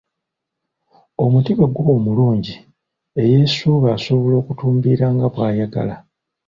"Omuti bwe guba omulungi, eyeesuuba asobola okutumbiira nga bw’ayagala."